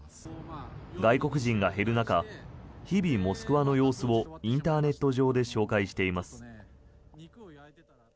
外国人が減る中日々、モスクワの様子をインターネット上で紹介しています。